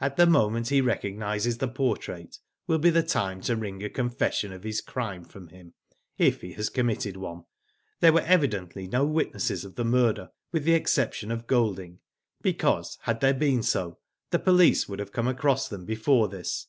At the moment he recognises the portrait will be the time to wring a confession of his crime from him, if he has committed one. There were evidently no witnesses of the murder, with the exception of Golding, because had there been so the police would have come across them before this.